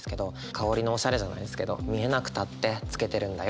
香りのオシャレじゃないですけど見えなくたってつけてるんだよ。